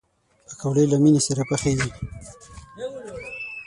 پکورې له مینې سره پخېږي